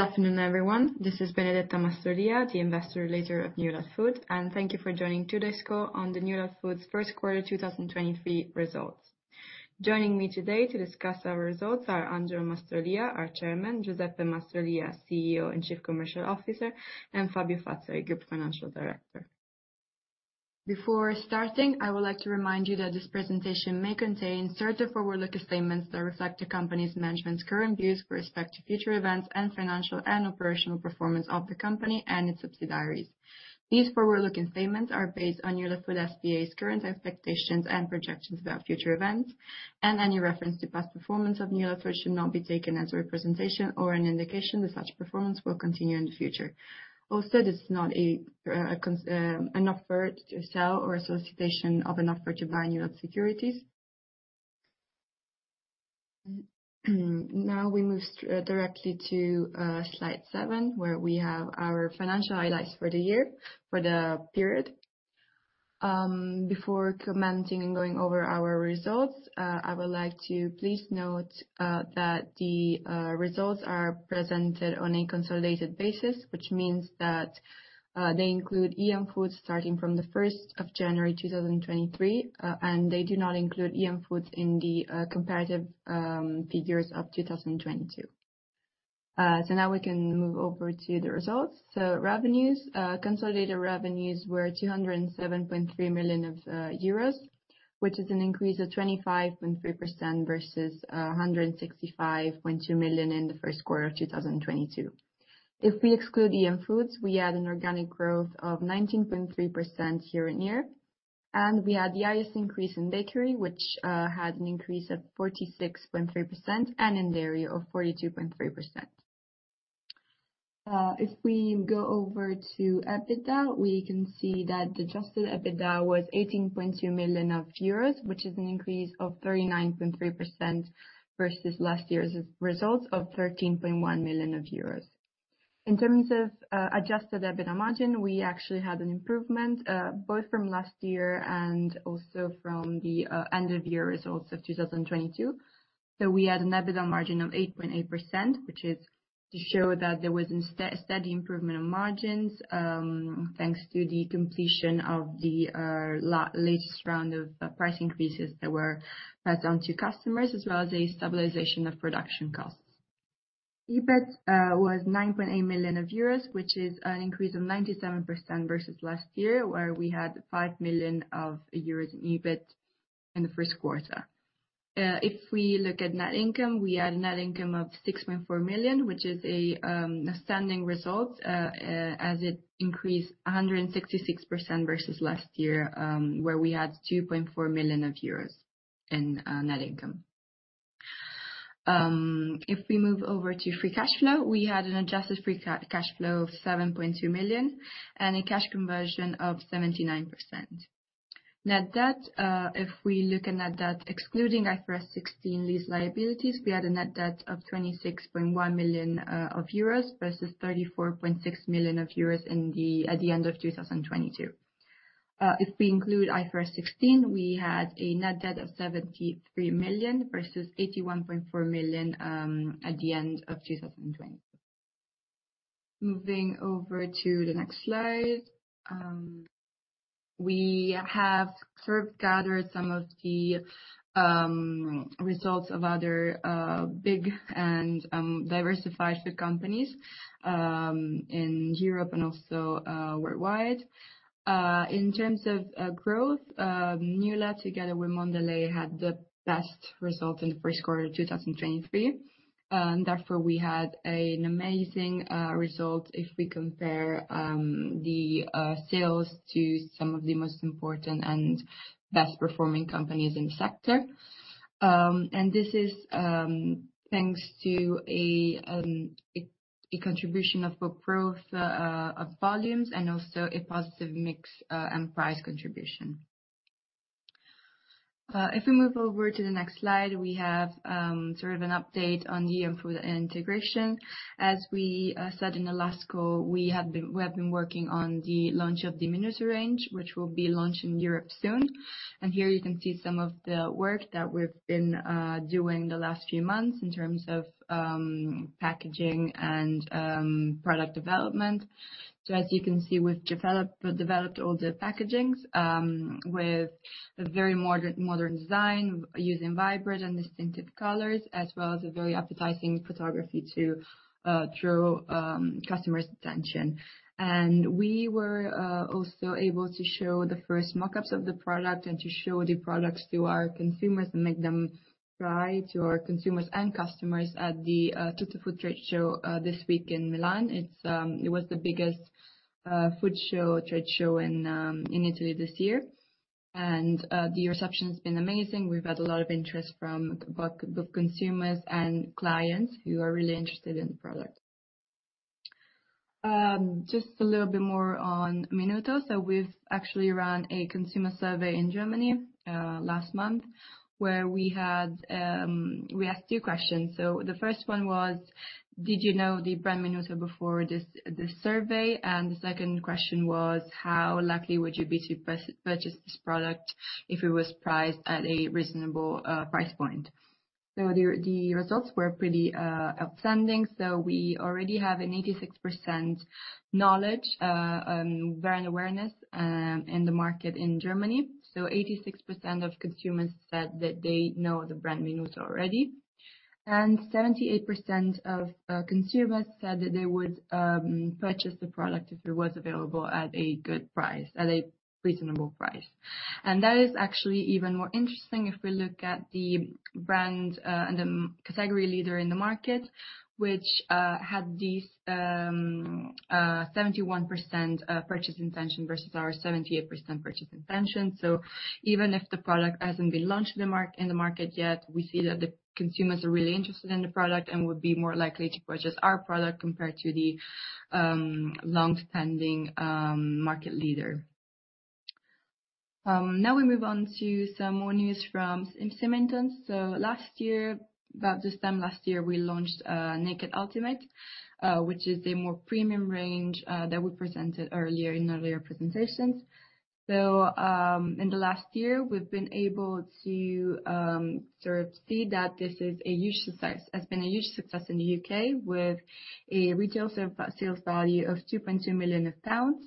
Afternoon, everyone. This is Benedetta Mastrolia, the Investor Relator of Newlat Food, and thank you for joining today's call on the Newlat Food's first quarter 2023 results. Joining me today to discuss our results are Angelo Mastrolia, our Chairman, Giuseppe Mastrolia, CEO and Chief Commercial Officer, and Fabio Fazzari, Group Financial Director. Before starting, I would like to remind you that this presentation may contain certain forward-looking statements that reflect the company's management's current views with respect to future events and financial and operational performance of the company and its subsidiaries. These forward-looking statements are based on Newlat Food S.p.A.'s current expectations and projections about future events, and any reference to past performance of Newlat Food should not be taken as a representation or an indication that such performance will continue in the future. This is not an offer to sell or a solicitation of an offer to buy Newlat securities. We move directly to slide seven, where we have our financial highlights for the year, for the period. Before commenting and going over our results, I would like to please note that the results are presented on a consolidated basis, which means that they include EM Foods starting from the 1st of January 2023, and they do not include EM Foods in the comparative figures of 2022. We can move over to the results. Revenues. Consolidated revenues were 207.3 million euros, which is an increase of 25.3% versus 165.2 million in the first quarter of 2022. If we exclude EM Foods, we had an organic growth of 19.3% year-on-year, and we had the highest increase in bakery, which had an increase of 46.3%, and in dairy of 42.3%. If we go over to EBITDA, we can see that the adjusted EBITDA was 18.2 million euros, which is an increase of 39.3% versus last year's results of 13.1 million euros. In terms of adjusted EBITDA margin, we actually had an improvement both from last year and also from the end of year results of 2022. We had an EBITDA margin of 8.8%, which is to show that there was instead a steady improvement of margins, thanks to the completion of the latest round of price increases that were passed on to customers, as well as a stabilization of production costs. EBIT was 9.8 million euros, which is an increase of 97% versus last year, where we had 5 million euros in EBIT in the first quarter. If we look at net income, we had net income of 6.4 million, which is a outstanding result, as it increased 166% versus last year, where we had 2.4 million euros in net income. If we move over to free cash flow, we had an adjusted free cash flow of 7.2 million and a cash conversion of 79%. Net debt, if we look at net debt, excluding IFRS 16 lease liabilities, we had a net debt of 26.1 million euros versus 34.6 million euros at the end of 2022. If we include IFRS 16, we had a net debt of 73 million versus 81.4 million at the end of 2022. Moving over to the next slide, we have sort of gathered some of the results of other big and diversified food companies in Europe and also worldwide. In terms of growth, Newlat together with Mondelēz had the best result in the first quarter of 2023. Therefore, we had an amazing result if we compare the sales to some of the most important and best performing companies in the sector. This is thanks to a contribution of both growth of volumes and also a positive mix and price contribution. If we move over to the next slide, we have sort of an update on the EM Food integration. As we said in the last call, we have been working on the launch of the Minuto range, which will be launched in Europe soon. Here you can see some of the work that we've been doing the last few months in terms of packaging and product development. As you can see, we've developed all the packagings with a very modern design using vibrant and distinctive colors, as well as a very appetizing photography to draw customers' attention. We were also able to show the first mock-ups of the product and to show the products to our consumers and make them try to our consumers and customers at the TUTTOFOOD trade show this week in Milan. It's, it was the biggest food show, trade show in Italy this year. The reception's been amazing. We've had a lot of interest from both consumers and clients who are really interested in the product. Just a little bit more on Minuto. We've actually ran a consumer survey in Germany last month, where we had, we asked two questions. The first one was, "Did you know the brand Minuto before this survey?" The second question was, "How likely would you be to purchase this product if it was priced at a reasonable price point?" The results were pretty outstanding. We already have an 86% knowledge brand awareness in the market in Germany. 86% of consumers said that they know the brand Minuto already. 78% of consumers said that they would purchase the product if it was available at a good price, at a reasonable price. That is actually even more interesting if we look at the brand and the category leader in the market, which had these 71% purchase intention versus our 78% purchase intention. Even if the product hasn't been launched in the market yet, we see that the consumers are really interested in the product and would be more likely to purchase our product compared to the long-standing market leader. Now we move on to some more news from Semper Mentis. Last year, about this time last year, we launched Naked Ultimate, which is a more premium range that we presented earlier in earlier presentations. In the last year, we've been able to sort of see that this is a huge success. Has been a huge success in the U.K. with a retail sale, sales value of 2.2 million pounds.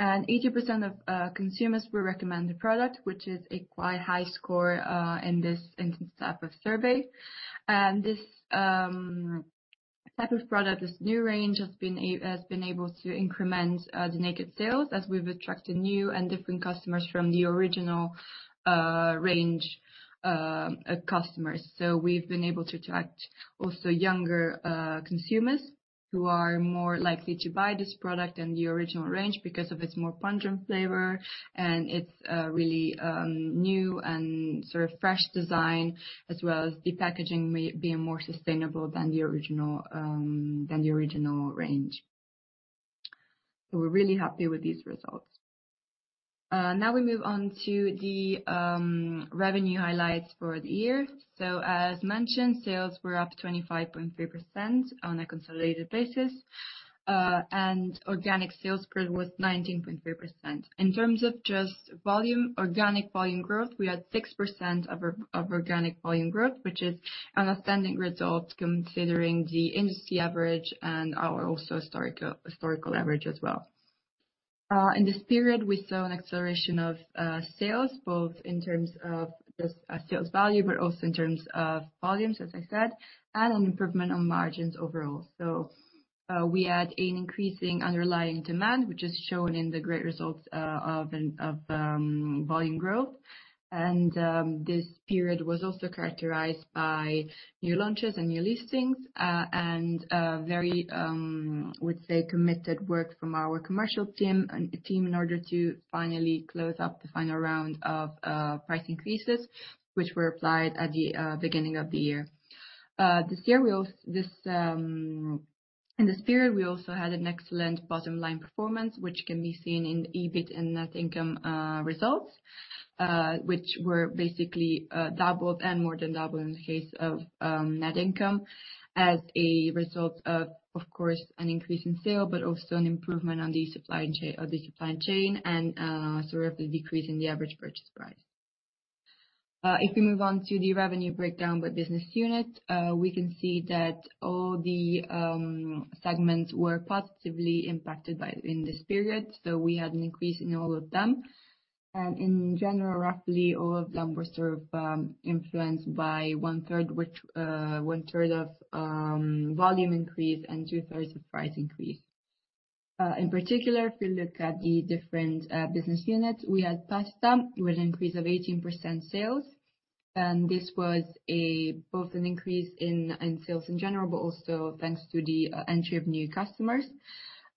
80% of consumers will recommend the product, which is a quite high score in this instance type of survey. This type of product, this new range has been able to increment the Naked sales as we've attracted new and different customers from the original range customers. We've been able to attract also younger consumers who are more likely to buy this product than the original range because of its more pungent flavor and its really new and sort of fresh design, as well as the packaging being more sustainable than the original than the original range. We're really happy with these results. Now we move on to the revenue highlights for the year. As mentioned, sales were up 25.3% on a consolidated basis. Organic sales growth was 19.3%. In terms of just volume, organic volume growth, we had 6% of organic volume growth, which is an outstanding result considering the industry average and our also historical average as well. In this period, we saw an acceleration of sales, both in terms of just sales value but also in terms of volumes, as I said, and an improvement on margins overall. We had an increasing underlying demand, which is shown in the great results of volume growth. This period was also characterized by new launches and new listings and very, I would say, committed work from our commercial team and team in order to finally close up the final round of price increases, which were applied at the beginning of the year. This year we. This in this period, we also had an excellent bottom line performance, which can be seen in EBIT and net income results, which were basically doubled and more than doubled in the case of net income as a result of course, an increase in sale, but also an improvement on the supply chain and sort of a decrease in the average purchase price. If we move on to the revenue breakdown by business unit, we can see that all the segments were positively impacted by in this period, so we had an increase in all of them. In general, roughly all of them were sort of influenced by one-third which one-third of volume increase and two-thirds of price increase. In particular, if we look at the different business units, we had pasta with an increase of 18% sales. This was both an increase in sales in general, but also thanks to the entry of new customers.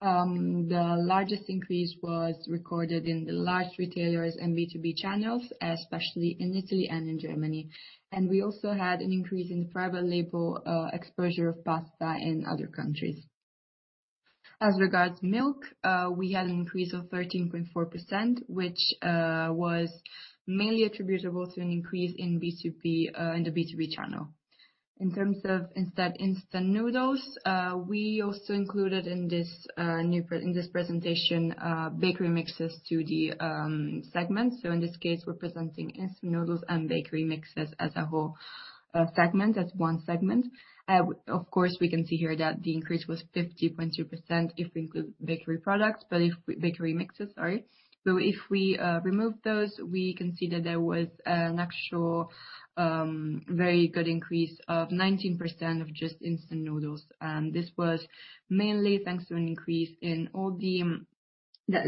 The largest increase was recorded in the large retailers and B2B channels, especially in Italy and in Germany. We also had an increase in the private label exposure of pasta in other countries. As regards milk, we had an increase of 13.4%, which was mainly attributable to an increase in B2B in the B2B channel. In terms of instead instant noodles, we also included in this presentation bakery mixes to the segment. In this case, we're presenting instant noodles and bakery mixes as a whole segment, as one segment. Of course, we can see here that the increase was 50.2% if we include bakery products. Bakery mixes, sorry. If we remove those, we can see that there was an actual very good increase of 19% of just instant noodles. This was mainly thanks to an increase in all the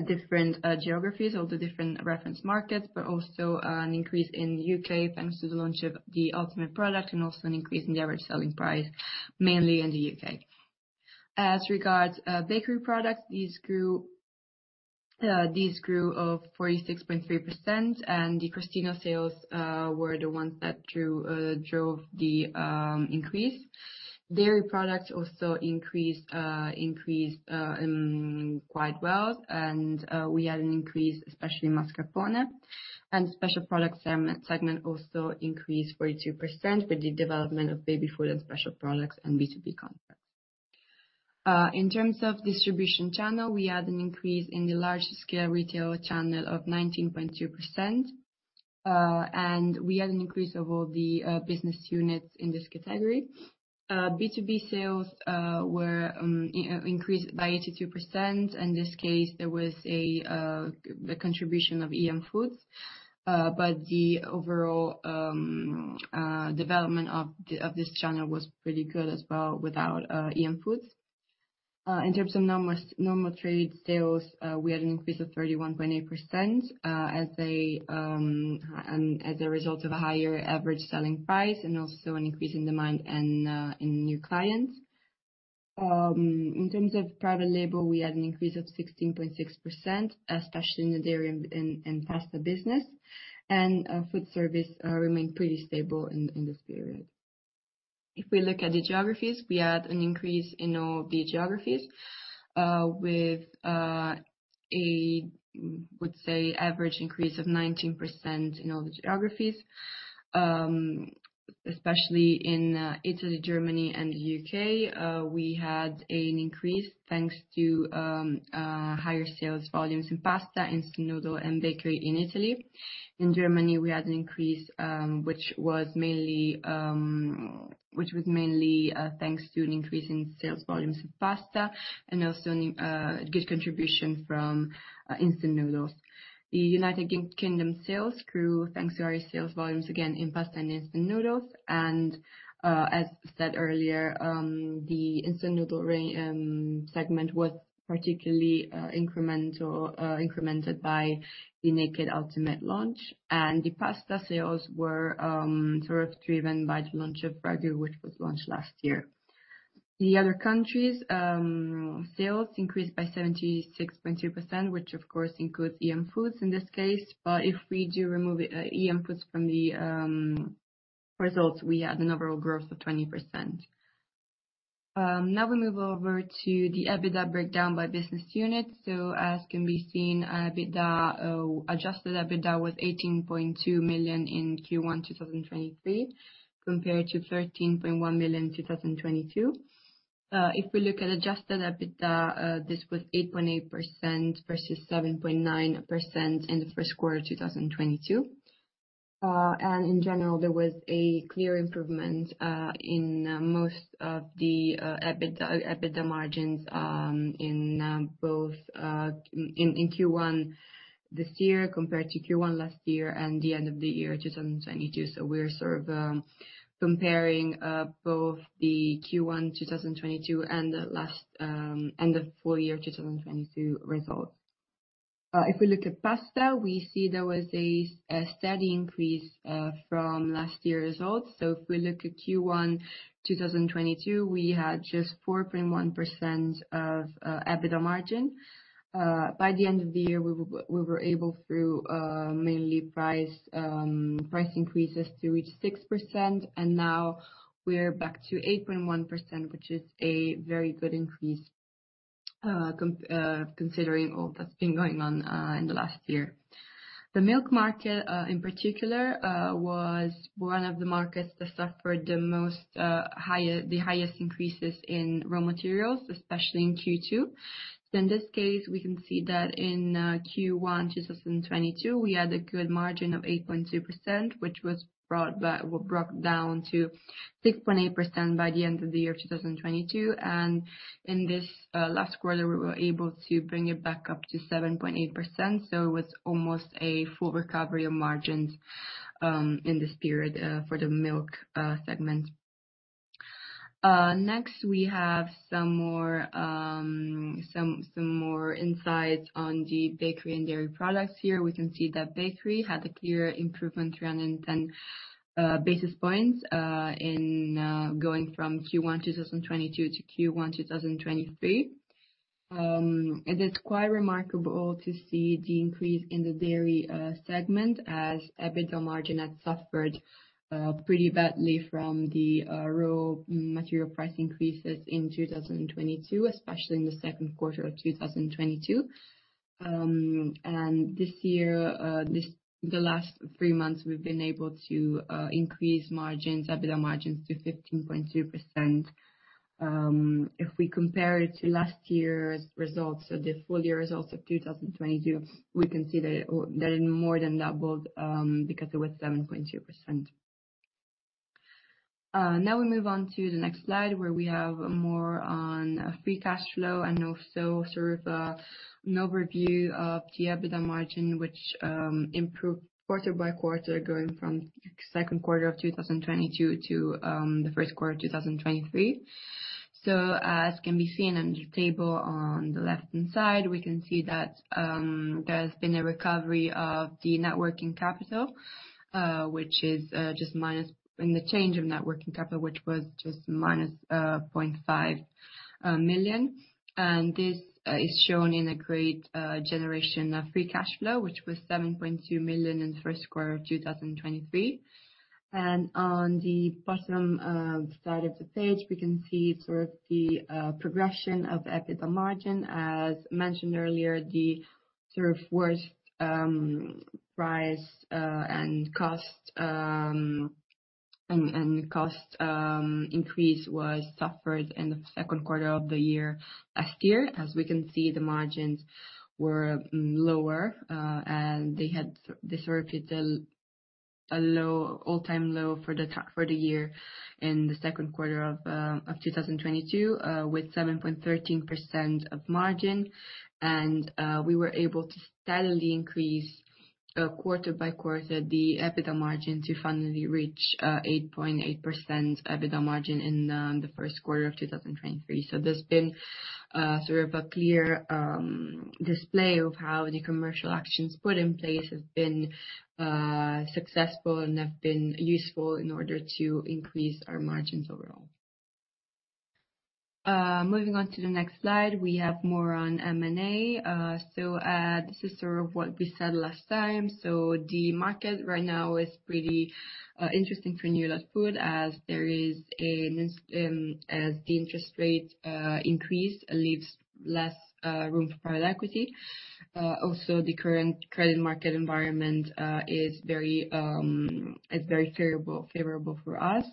different geographies, all the different reference markets, but also an increase in the U.K. thanks to the launch of the ultimate product and also an increase in the average selling price, mainly in the U.K. As regards bakery products, these grew, these grew of 46.3%, and the Cristina sales were the ones that drove the increase. Dairy products also increased quite well. We had an increase, especially in mascarpone. Special products segment also increased 42% with the development of baby food and special products and B2B concepts. In terms of distribution channel, we had an increase in the large scale retail channel of 19.2%. We had an increase of all the business units in this category. B2B sales were increased by 82%. In this case, there was a contribution of EM Foods. The overall development of this channel was pretty good as well without EM Foods. In terms of normal trade sales, we had an increase of 31.8%, as a result of a higher average selling price and also an increase in demand and in new clients. In terms of private label, we had an increase of 16.6%, especially in the dairy and pasta business. Food service remained pretty stable in this period. If we look at the geographies, we had an increase in all the geographies, with a, I would say average increase of 19% in all the geographies, especially in Italy, Germany and the U.K. We had an increase thanks to higher sales volumes in pasta, instant noodle and bakery in Italy. In Germany, we had an increase, which was mainly thanks to an increase in sales volumes of pasta and also good contribution from instant noodles. The United Kingdom sales grew thanks to our sales volumes again in pasta and instant noodles. As said earlier, the instant noodle segment was particularly incremented by the Naked Ultimate launch. The pasta sales were sort of driven by the launch of Ragu, which was launched last year. The other countries, sales increased by 76.2%, which of course includes EM Foods in this case. If we do remove EM Foods from the results, we had an overall growth of 20%. Now we move over to the EBITDA breakdown by business unit. As can be seen, EBITDA, adjusted EBITDA was 18.2 million in Q1 2023, compared to 13.1 million in 2022. If we look at adjusted EBITDA, this was 8.8% versus 7.9% in the first quarter of 2022. And in general, there was a clear improvement in most of the EBITDA margins in both in Q1 this year compared to Q1 last year and the end of the year 2022. We're sort of comparing both the Q1 2022 and the last and the full year 2022 results. If we look at pasta, we see there was a steady increase from last year's results. If we look at Q1 2022, we had just 4.1% of EBITDA margin. By the end of the year, we were able through mainly price increases to reach 6%, and now we're back to 8.1%, which is a very good increase considering all that's been going on in the last year. The milk market, in particular, was one of the markets that suffered the most, the highest increases in raw materials, especially in Q2. In this case, we can see that in Q1 2022, we had a good margin of 8.2%, which was brought down to 6.8% by the end of the year of 2022. In this last quarter, we were able to bring it back up to 7.8%. It was almost a full recovery of margins in this period for the milk segment. Next we have some more insights on the bakery and dairy products. Here we can see that bakery had a clear improvement, 310 basis points in going from Q1 2022 to Q1 2023. It's quite remarkable to see the increase in the dairy segment as EBITDA margin had suffered pretty badly from the raw material price increases in 2022, especially in the second quarter of 2022. This year, the last three months, we've been able to increase margins, EBITDA margins to 15.2%. If we compare it to last year's results, so the full year results of 2022, we can see that it more than doubled, because it was 7.2%. Now we move on to the next slide, where we have more on free cash flow and also sort of, an overview of the EBITDA margin, which improved quarter by quarter, going from second quarter of 2022 to the first quarter of 2023. As can be seen under table on the left-hand side, we can see that there's been a recovery of the net working capital, which is in the change of net working capital, which was just minus 0.5 million. This is shown in a great generation of free cash flow, which was 7.2 million in the first quarter of 2023. On the bottom side of the page, we can see sort of the progression of EBITDA margin. As mentioned earlier, the sort of worst price and cost increase was suffered in the second quarter of the year last year. As we can see, the margins were lower, and they sort of hit a low all-time low for the year in the second quarter of 2022, with 7.13% of margin. We were able to steadily increase quarter by quarter the EBITDA margin to finally reach 8.8% EBITDA margin in the first quarter of 2023. There's been sort of a clear display of how the commercial actions put in place have been successful and have been useful in order to increase our margins overall. Moving on to the next slide, we have more on M&A. This is sort of what we said last time. The market right now is pretty interesting for Newlat Food as the interest rate increase leaves less room for private equity. Also the current credit market environment is very favorable for us.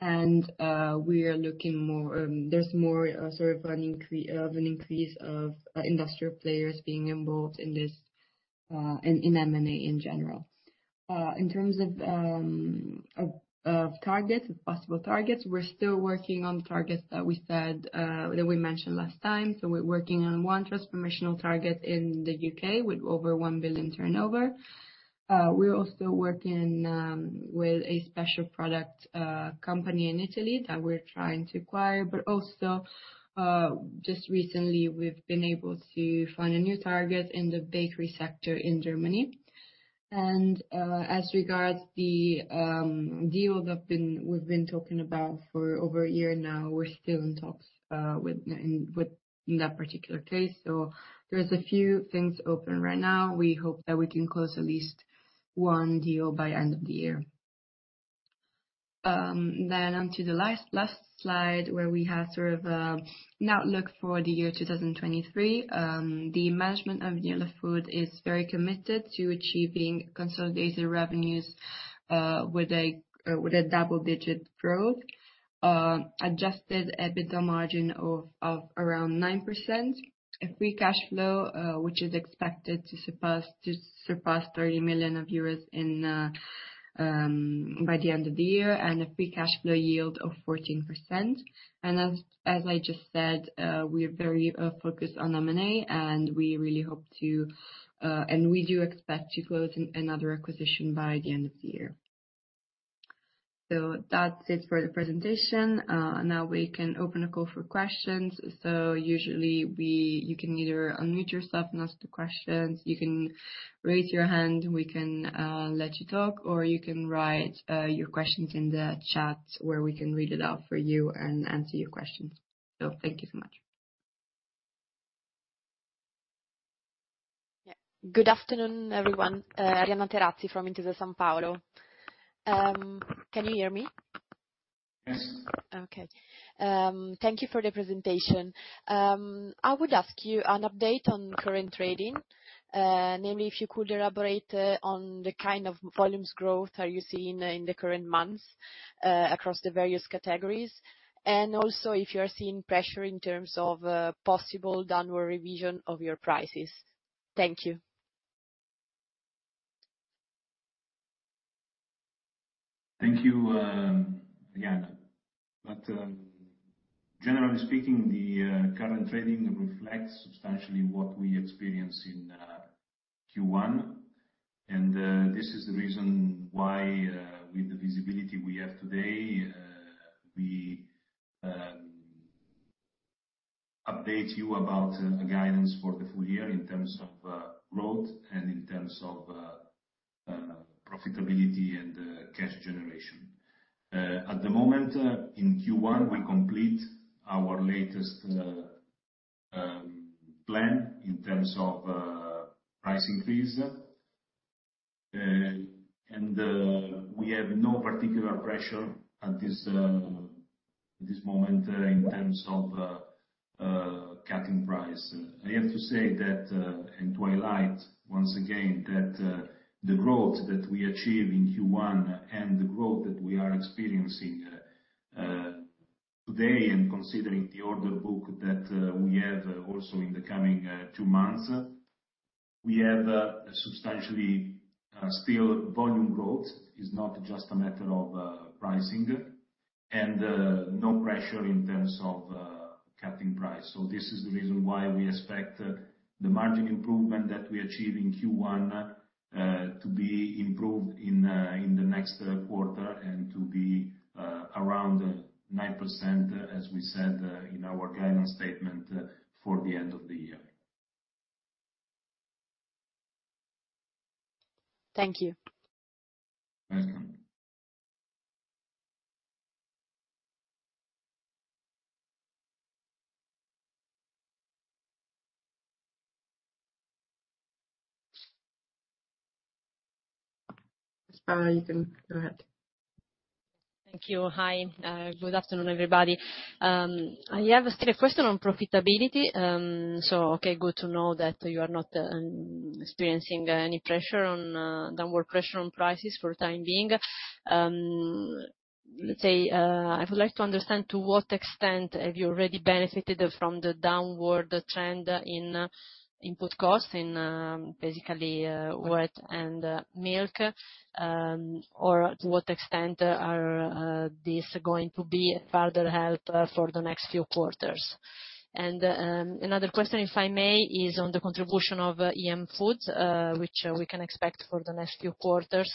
We are looking more, there's more sort of an increase of industrial players being involved in this in M&A in general. In terms of possible targets, we're still working on targets that we said that we mentioned last time. We're working on one transformational target in the U.K. with over 1 billion turnover. We're also working with a special product company in Italy that we're trying to acquire. Just recently we've been able to find a new target in the bakery sector in Germany. As regards the deals we've been talking about for over a year now, we're still in talks in that particular case. There's a few things open right now. We hope that we can close at least one deal by end of the year. onto the last slide, where we have sort of an outlook for the year 2023. The management of Newlat Food is very committed to achieving consolidated revenues with a double-digit growth, adjusted EBITDA margin of around 9%, a free cash flow which is expected to surpass 30 million euros by the end of the year, and a free cash flow yield of 14%. As I just said, we are very focused on M&A, and we really hope to and we do expect to close another acquisition by the end of the year. That's it for the presentation. We can open a call for questions. Usually you can either unmute yourself and ask the questions, you can raise your hand and we can let you talk, or you can write your questions in the chat, where we can read it out for you and answer your questions. Thank you so much. Yeah. Good afternoon, everyone. Arianna Terazzi from Intesa Sanpaolo. Can you hear me? Yes. Okay. Thank you for the presentation. I would ask you an update on current trading. Namely, if you could elaborate on the kind of volumes growth are you seeing in the current months across the various categories. Also if you are seeing pressure in terms of possible downward revision of your prices. Thank you. Thank you, Arianna. Generally speaking, the current trading reflects substantially what we experienced in Q1. This is the reason why, with the visibility we have today, we update you about the guidance for the full year in terms of growth and in terms of profitability and cash generation. At the moment, in Q1, we complete our latest plan in terms of price increase. We have no particular pressure at this moment, in terms of cutting price. I have to say that, and to highlight once again that, the growth that we achieved in Q1 and the growth that we are experiencing today, and considering the order book that we have also in the coming two months, we have a substantially, still volume growth. It's not just a matter of pricing. No pressure in terms of cutting price. This is the reason why we expect the margin improvement that we achieved in Q1 to be improved in the next quarter and to be around 9%, as we said in our guidance statement for the end of the year. Thank you. Mm-hmm. Paola, you can go ahead. Thank you. Hi. Good afternoon, everybody. I have a still a question on profitability. Okay, good to know that you are not experiencing any pressure on downward pressure on prices for the time being. Let's see. I would like to understand to what extent have you already benefited from the downward trend in input costs in basically wheat and milk, or to what extent are this going to be a further help for the next few quarters? Another question, if I may, is on the contribution of EM Foods, which we can expect for the next few quarters,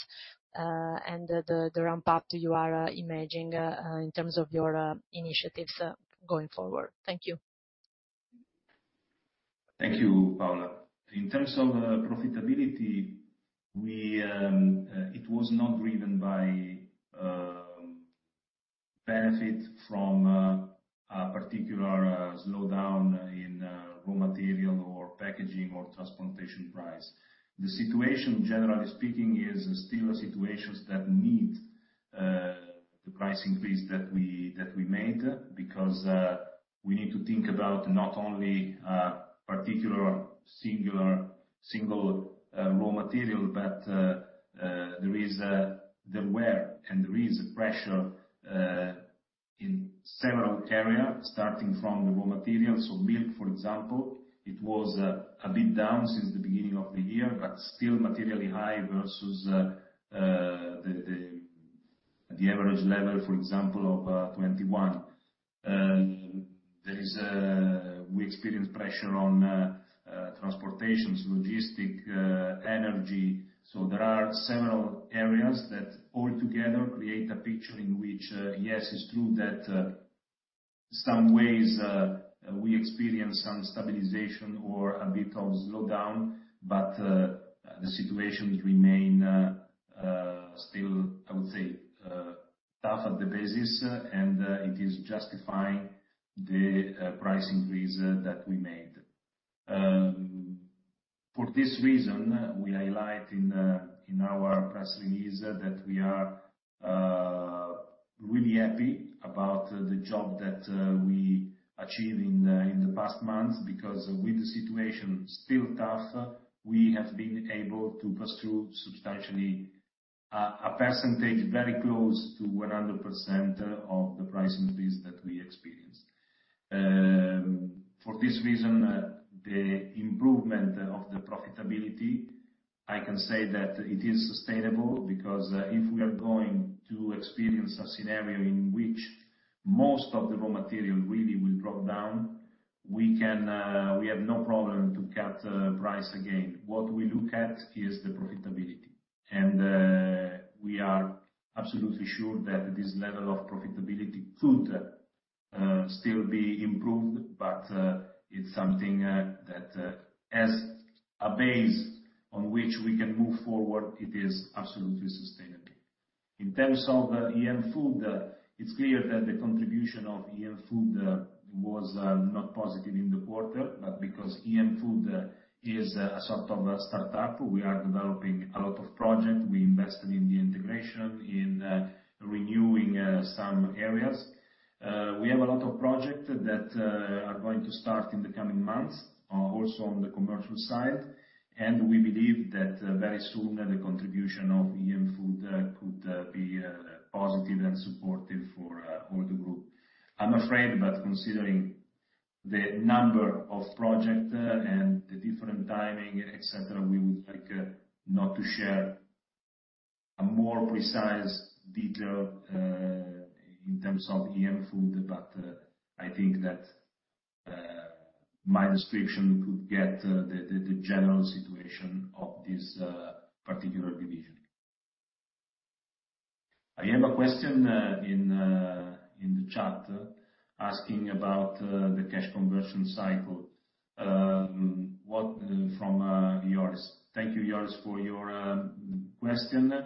and the ramp-up you are imagining in terms of your initiatives going forward. Thank you. Thank you, Paola. In terms of profitability, we it was not driven by benefit from a particular slowdown in raw material or packaging or transportation price. The situation, generally speaking, is still a situation that need the price increase that we made because we need to think about not only particular singular, single raw material, but there is there were and there is pressure in several areas starting from the raw materials. Milk, for example, it was a bit down since the beginning of the year, but still materially high versus the average level, for example, of 21. We experienced pressure on transportations, logistic, energy. There are several areas that all together create a picture in which, yes, it's true that, some ways, we experience some stabilization or a bit of slowdown, but, the situation remain, still, I would say, tough at the basis, and, it is justifying the, price increase that we made. For this reason, we highlight in our press release that we are, really happy about the job that, we achieved in the, in the past months, because with the situation still tough, we have been able to pass through substantially, a percentage very close to 100% of the price increase that we experienced. For this reason, the improvement of the profitability, I can say that it is sustainable because if we are going to experience a scenario in which most of the raw material really will drop down, we can we have no problem to cut price again. What we look at is the profitability. We are absolutely sure that this level of profitability could still be improved, but it's something that as a base on which we can move forward, it is absolutely sustainable. In terms of EM Foods, it's clear that the contribution of EM Foods was not positive in the quarter, but because EM Foods is a sort of a startup, we are developing a lot of projects. We invested in the integration, in renewing, some areas. We have a lot of projects that are going to start in the coming months, also on the commercial side. We believe that very soon, the contribution of EM Foods could be positive and supportive for all the group. I'm afraid, but considering the number of project and the different timing, et cetera, we would like not to share a more precise detail in terms of EM Foods, but I think that my description could get the general situation of this particular division. I have a question in the chat asking about the cash conversion cycle from Joris. Thank you, Joris for your question.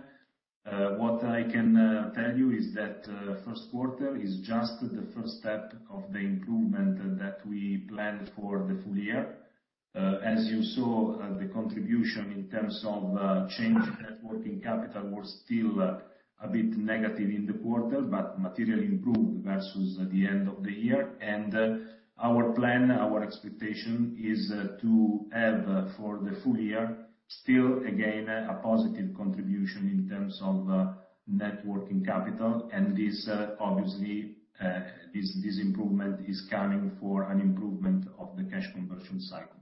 What I can tell you is that first quarter is just the first step of the improvement that we planned for the full year. As you saw, the contribution in terms of change net working capital was still a bit negative in the quarter, but materially improved versus at the end of the year. Our plan, our expectation is to have for the full year still, again, a positive contribution in terms of net working capital. This, obviously, this improvement is coming for an improvement of the cash conversion cycle.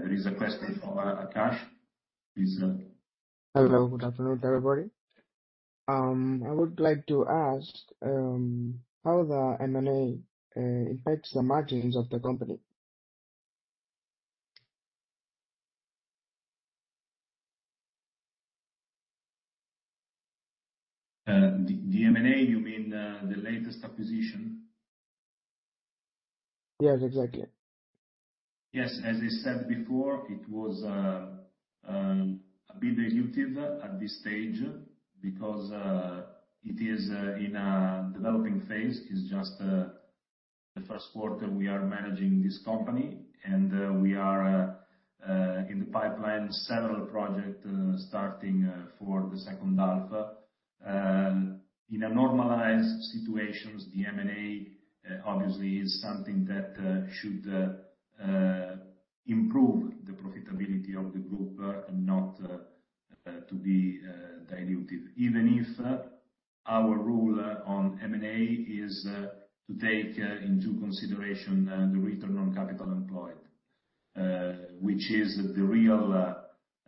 There is a question from Akash. Please, Hello. Good afternoon, everybody. I would like to ask, how the M&A impacts the margins of the company? The M&A, you mean, the latest acquisition? Yes, exactly. Yes. As I said before, it was a bit dilutive at this stage because it is in a developing phase. It's just the first quarter we are managing this company and we are in the pipeline several project starting for the second half. In a normalized situations, the M&A obviously is something that should improve the profitability of the group and not to be diluted. Even if our rule on M&A is to take into consideration the return on capital employed. Which is the real,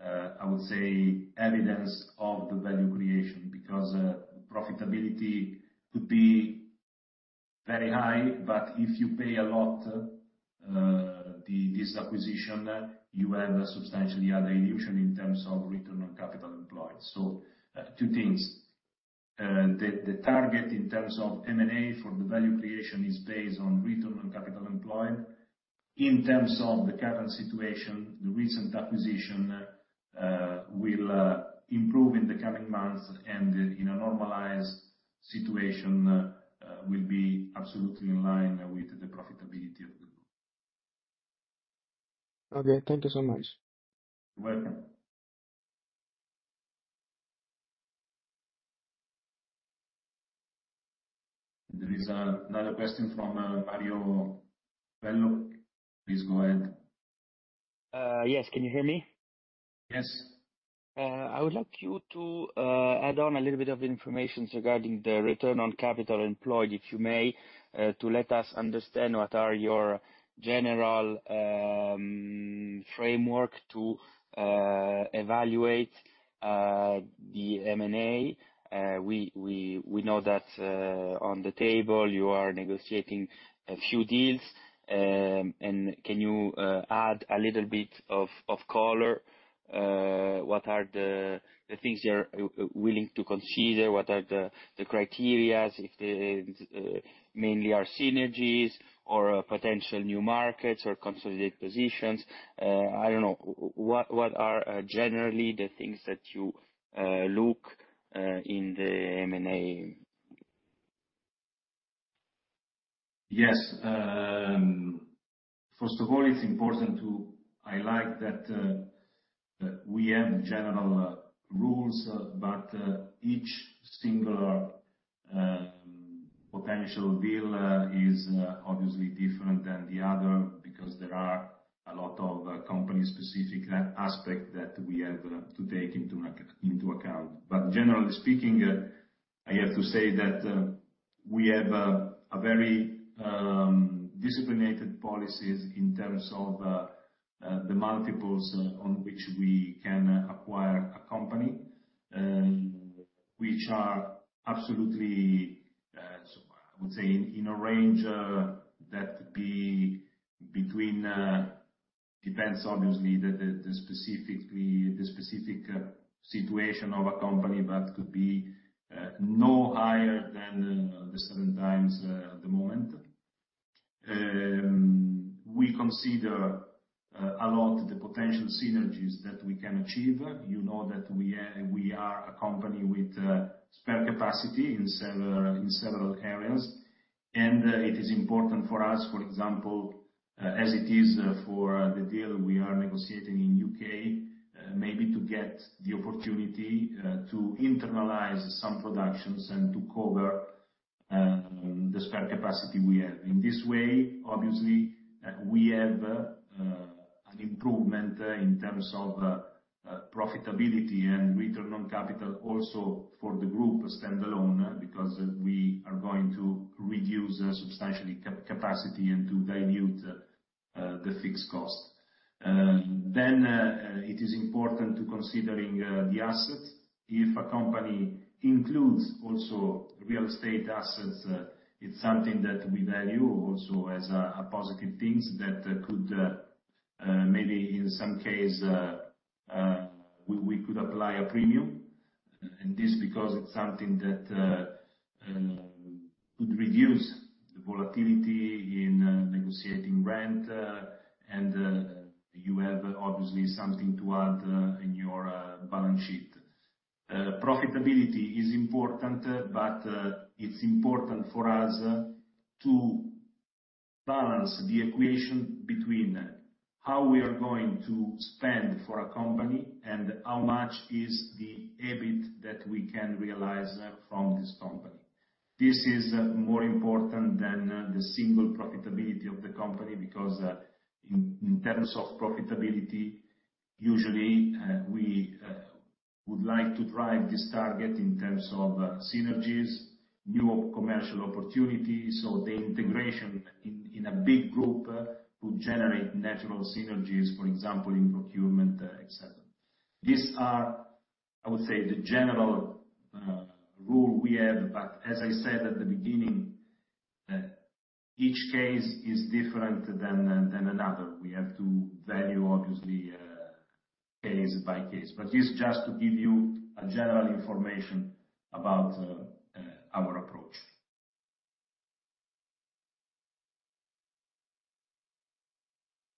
I would say evidence of the value creation, because profitability could be very high, but if you pay a lot, this acquisition, you have a substantially a dilution in terms of return on capital employed. Two things. The target in terms of M&A for the value creation is based on return on capital employed. In terms of the current situation, the recent acquisition will improve in the coming months and in a normalized situation will be absolutely in line with the profitability of the group. Okay, thank you so much. You're welcome. There is another question from Mario Bello. Please go ahead. Yes, can you hear me? Yes. I would like you to add on a little bit of information regarding the return on capital employed, if you may, to let us understand what are your general framework to evaluate the M&A. We know that on the table you are negotiating a few deals, can you add a little bit of color? What are the things you are willing to consider? What are the criteria, if they mainly are synergies or potential new markets or consolidate positions? I don't know. What are generally the things that you look in the M&A? Yes. First of all, it's important to highlight that we have general rules, but each single potential deal is obviously different than the other because there are a lot of company-specific aspect that we have to take into account. Generally speaking, I have to say that we have a very disciplined policies in terms of the multiples on which we can acquire a company, which are absolutely, I would say in a range, that could be between, depends obviously the specific situation of a company, but could be no higher than the seven times at the moment. We consider a lot the potential synergies that we can achieve. You know that we are a company with spare capacity in several areas. It is important for us, for example, as it is for the deal we are negotiating in U.K., maybe to get the opportunity to internalize some productions and to cover the spare capacity we have. In this way obviously, we have an improvement in terms of profitability and return on capital also for the group standalone, because we are going to reduce substantially capacity and to dilute the fixed cost. It is important to consider the assets. If a company includes also real estate assets, it's something that we value also as a positive thing that could maybe in some case we could apply a premium. This because it's something that could reduce the volatility in negotiating rent, and you have obviously something to add in your balance sheet. Profitability is important, but it's important for us to balance the equation between how we are going to spend for a company and how much is the EBIT that we can realize from this company. This is more important than the single profitability of the company, because in terms of profitability, usually, we would like to drive this target in terms of synergies, new commercial opportunities or the integration in a big group who generate natural synergies, for example, in procurement, etc. These are, I would say, the general rule we have. As I said at the beginning, each case is different than another. We have to value obviously, case by case. This just to give you a general information about, our approach.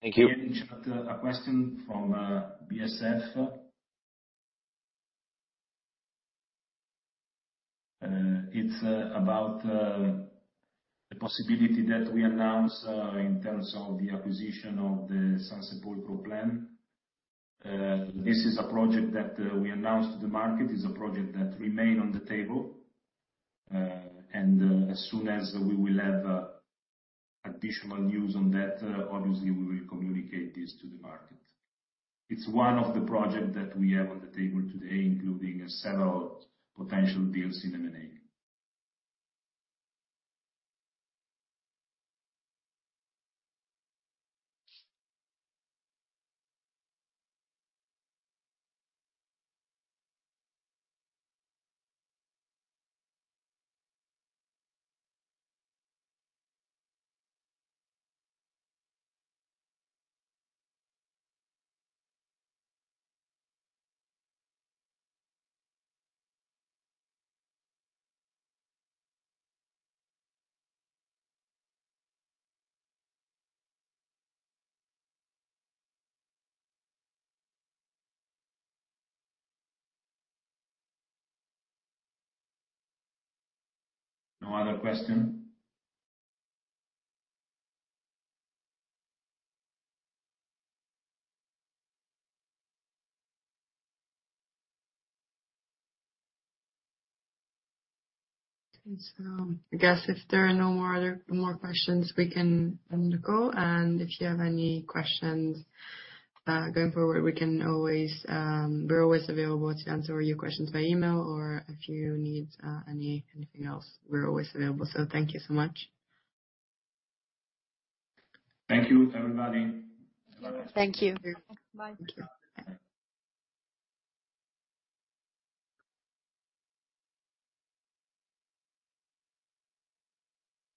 Thank you. A question from BSF. It's about the possibility that we announced in terms of the acquisition of the Sansepolcro plan. This is a project that we announced to the market. It's a project that remain on the table. As soon as we will have additional news on that, obviously we will communicate this to the market. It's one of the project that we have on the table today, including several potential deals in M&A. No other question? Okay. I guess if there are no more questions, we can end the call. If you have any questions, going forward, we're always available to answer all your questions by email or if you need anything else, we're always available. Thank you so much. Thank you, everybody. Thank you. Bye. Thank you. Bye.